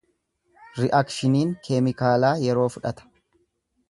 Ri'akshiniin keemikaalaa yeroo fudhata.